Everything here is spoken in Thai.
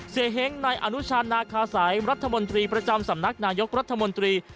เฮ้งในอนุชานาคาสัยรัฐมนตรีประจำสำนักนายกรัฐมนตรี